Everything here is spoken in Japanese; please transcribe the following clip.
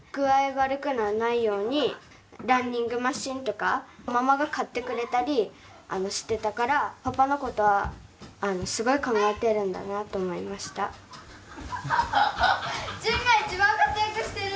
悪くなんないようにランニングマシンとかママが買ってくれたりしてたからパパのことはすごい考えてるんだなぁと思いました旬がいちばん活躍してる！